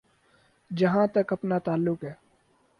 جہاں تک اپنا تعلق ہے۔